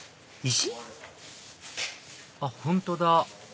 石？あっ本当だ